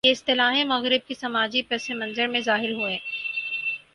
یہ اصطلاحیں مغرب کے سماجی پس منظر میں ظاہر ہوئیں۔